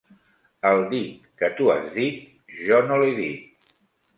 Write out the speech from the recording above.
El dit que tu has dit, jo no l’he dit.